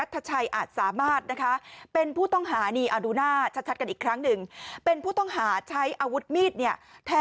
แทงน้องเต้ย